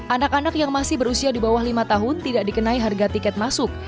anak anak yang masih berusia di bawah lima tahun tidak dikenai harga tiket masuk